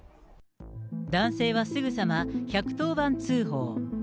男性はすぐさま１１０番通報。